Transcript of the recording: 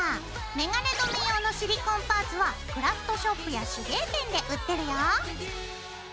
メガネ留め用のシリコンパーツはクラフトショップや手芸店で売ってるよ。